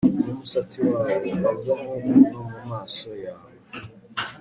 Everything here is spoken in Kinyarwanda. mu musatsi wawe wa zahabu, no mu maso yawe